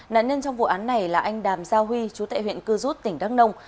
nạn nhân trong vụ án này là anh đàm giao huy chú tại huyện cư rút tỉnh đắk nông